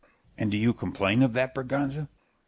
And do you complain of that, Berganza?